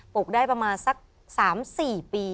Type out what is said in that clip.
ลูกได้ประมาณสัก๓๔ปี